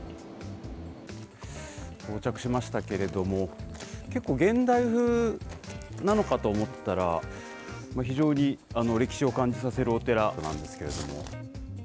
到着しましたけれども結構、現代風なのかと思ったら非常に歴史を感じさせるお寺なんですけれども。